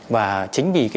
và chết ngạt đã bị phân hủy